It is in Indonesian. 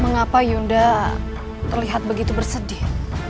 mengapa yunda terlihat begitu bersedih